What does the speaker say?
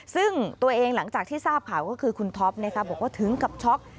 ซึ่งตัวเองหลังจากที่ทราบข่าวก็คือคุณท็อปบอกว่าถึงกับช็อก